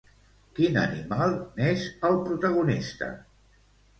Quin animal n'és el protagonista?